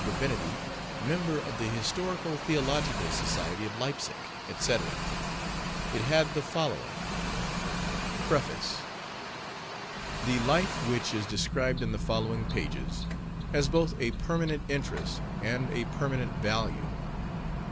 D., Member of the Historico Theological Society of Leipsic, etc." It had the following PREFACE. "The life which is described in the following pages has both a permanent interest and a permanent value.